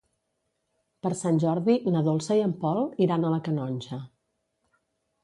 Per Sant Jordi na Dolça i en Pol iran a la Canonja.